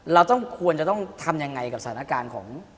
เราต้องควรจะต้องทำยังไงกับสถานการณ์ของ